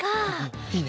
いいね。